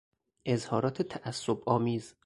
اظهارات تعصبآمیز